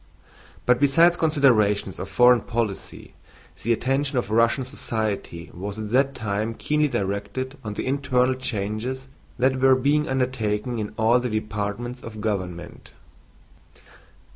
But besides considerations of foreign policy, the attention of Russian society was at that time keenly directed on the internal changes that were being undertaken in all the departments of government.